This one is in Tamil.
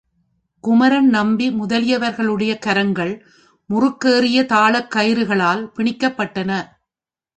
குமரன் நம்பி முதலியவர்களுடைய கரங்கள் முறுக்கேறிய தாழங்கயிறுகளால் பிணிக்கப்பட்டன.